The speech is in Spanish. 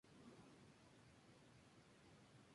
En su lugar, Omar prefirió gobernar desde su base en Kandahar.